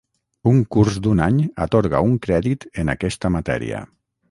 Un curs d'un any atorga un crèdit en aquesta matèria.